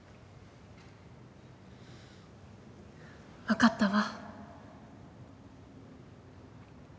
分かったわ。